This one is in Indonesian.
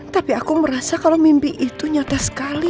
tapi aku merasa kalau mimpi itu nyata sekali